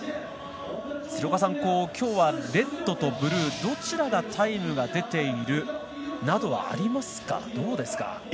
今日はレッドとブルーどちらがタイムが出ているなどはありますか、どうですか？